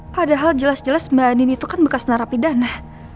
padahal jelas jelas mbak anin itu kan bekas narapi dana